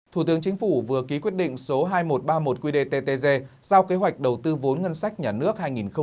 thủ tướng chính phủ vừa ký quyết định số hai nghìn một trăm ba mươi một qdttg giao kế hoạch đầu tư vốn ngân sách nhà nước hai nghìn hai mươi